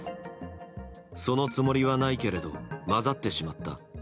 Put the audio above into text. そのつもりはないけれど混ざってしまった。